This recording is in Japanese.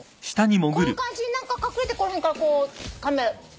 こういう感じで隠れてこの辺からこうカメラ。